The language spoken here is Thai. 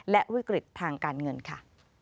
และวิกฤตทางการเงินค่ะ